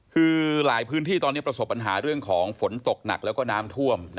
คือหลายพื้นที่ตอนนี้ประสบปัญหาเรื่องของฝนตกหนักแล้วก็น้ำท่วม